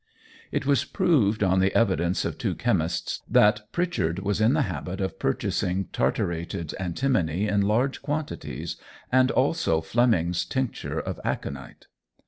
It was proved on the evidence of two chemists, that Pritchard was in the habit of purchasing tartarated antimony in large quantities, and also Fleming's tincture of aconite.